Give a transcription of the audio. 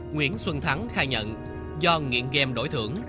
nguyễn xuân thắng khai nhận do nghiện game đổi thưởng